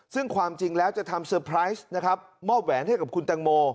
ซึ่งความจริงแล้วจะทำเซอร์ไพรส์นะครับมอบแหวนให้กับคุณตังโม